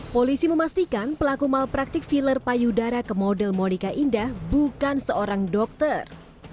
polisi memastikan pelaku malpraktik filler payudara ke model monica indah bukan seorang dokter